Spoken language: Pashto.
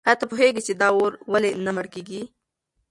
آیا ته پوهېږې چې دا اور ولې نه مړ کېږي؟